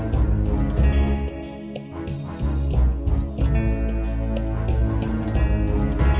semoga selamat sampai tujuan